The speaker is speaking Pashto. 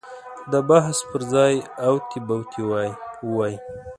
د بحث پر ځای اوتې بوتې ووایي.